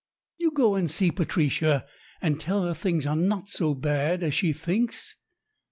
You go and see Patricia, and tell her things are not so bad as she thinks.